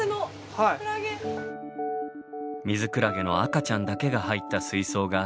ミズクラゲの赤ちゃんだけが入った水槽がずらり。